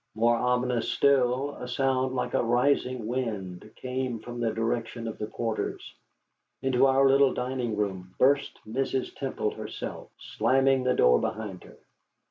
More ominous still, a sound like a rising wind came from the direction of the quarters. Into our little dining room burst Mrs. Temple herself, slamming the door behind her.